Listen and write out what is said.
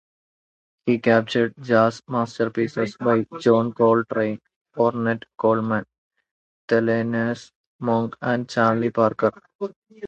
He captured jazz masterpieces by John Coltrane, Ornette Coleman, Thelonious Monk and Charlie Parker.